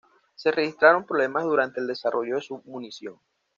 Se registraron problemas durante el desarrollo de su munición.